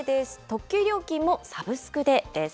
特急料金もサブスクでです。